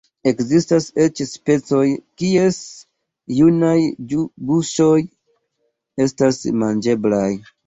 Ekzistas eĉ specoj, kies junaj guŝoj estas manĝeblaj.